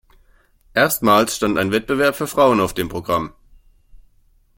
Erstmals stand ein Wettbewerb für Frauen auf dem Programm.